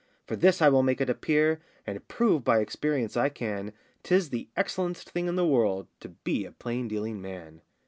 For this I will make it appear, And prove by experience I can, 'Tis the excellen'st thing in the world To be a plain dealing man.